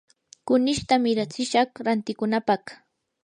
kunishta miratsishaq rantikunapaq.